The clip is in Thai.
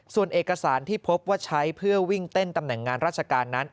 ส่วนเอกสารที่พบว่าใช้เพื่อวิ่งเต้นตำแหน่งงานราชการนั้น